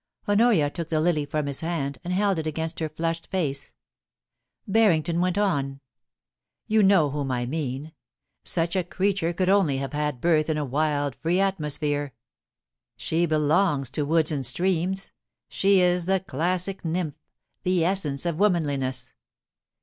Honoria took the lily from his hand, and held it against her flushed face. Barrington went on :* You know whom I mean. Such a creature could only have had birth in a wild free atmosphere. She belongs to woods and streams ; she is the classic nymph — the essence of womanliness.